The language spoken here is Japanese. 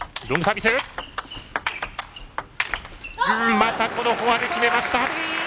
またこのフォアで決めました。